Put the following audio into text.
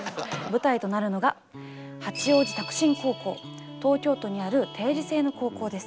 舞台となるのが東京都にある定時制の高校です。